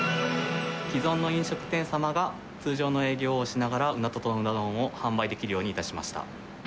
既存の飲食店様が、通常の営業をしながら、宇奈ととのうな丼を販売できるようにいたしました。